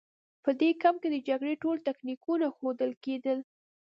په دې کمپ کې د جګړې ټول تکتیکونه ښودل کېدل